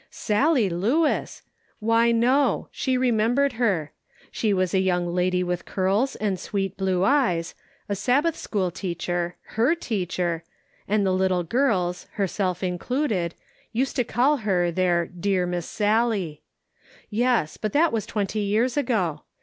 Sallie Lewis ! Why, no, she remembered her ; she was a young lady with curls and sweet, blue eyes ; a Sabbath school teacher, her teacher, and the little girls, herself included, Measuring Enthusiasm. 449 used to call her their " dear Miss Sallie." Yes, but that was twenty years ago.